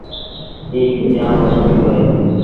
ايٚ هَڪ جآم وڏو ڪلو اهي۔